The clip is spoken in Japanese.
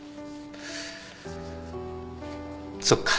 そっか。